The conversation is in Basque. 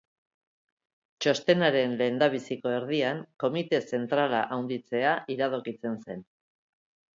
Txostenaren lehendabiziko erdian, Komite Zentrala handitzea iradokitzen zen.